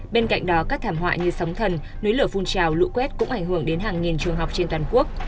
bên cạnh đó các thảm họa như sóng thần núi lửa phun trào lũ quét cũng ảnh hưởng đến hàng nghìn trường học trên toàn quốc